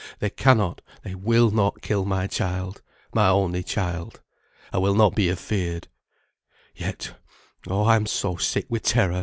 They cannot they will not kill my child, my only child. I will not be afeared. Yet, oh! I am so sick with terror.